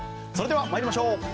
それでは参りましょう。